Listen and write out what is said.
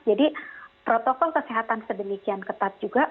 jadi protokol kesehatan sedemikian ketat juga